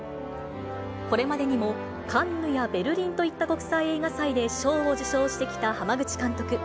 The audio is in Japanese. これまでにも、カンヌやベルリンといった国際映画祭で賞を受賞してきた濱口監督。